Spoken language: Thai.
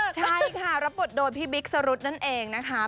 ใช่ค่ะรับบทโดยพี่บิ๊กสรุธนั่นเองนะคะ